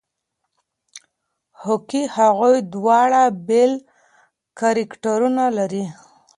هوکې هغوی دواړه بېل کرکټرونه لري.